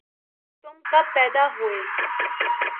تم کب پیدا ہوئے